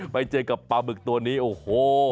ไปเจอกับปลาบึกตัวนี้โอ้โห